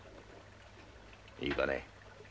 いいかね。